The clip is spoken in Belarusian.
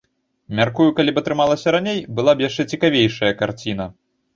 Мяркую, калі б атрымалася раней, была б яшчэ цікавейшая карціна.